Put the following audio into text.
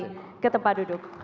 kami ke tempat duduk